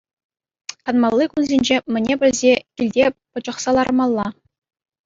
Канмалли кунсенче мӗне пӗлсе килте пӑчӑхса лармалла.